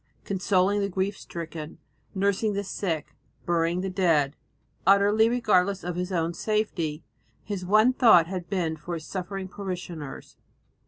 Consoling the grief stricken, nursing the sick, burying the dead, utterly regardless of his own safety, his one thought had been for his suffering parishioners.